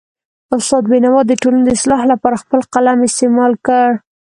استاد بینوا د ټولنې د اصلاح لپاره خپل قلم استعمال کړ.